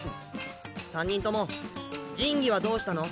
三人とも神器はどうしたの？